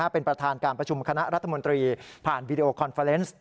เป็นประธานการประชุมคณะรัฐมนตรีผ่านวีดีโอคอนเฟอร์เนส์